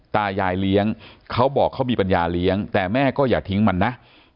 ตายายเลี้ยงเขาบอกเขามีปัญญาเลี้ยงแต่แม่ก็อย่าทิ้งมันนะ